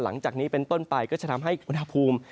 หลังจากนี้เป็นต้นไปก็จะทำให้อุณหภูมิ